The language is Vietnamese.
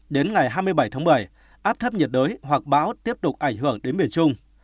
đến ngày hai mươi bảy tháng bảy áp thấp nhiệt đới hoặc bão tiếp tục ảnh hưởng đến miền trung